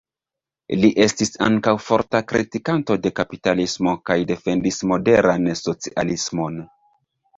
Li estis ankaŭ forta kritikanto de kapitalismo kaj defendis moderan socialismon.